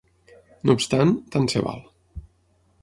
No obstant, tant se val.